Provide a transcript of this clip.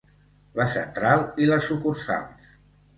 La central i les sucursals.